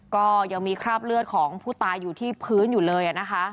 ก็ยังมีคราบเลือดของผู้ตายอยู่ที่พื้นอยู่เลยนะคะ